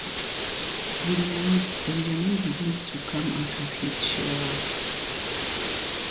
Williams, Benjamin begins to come out of his shell.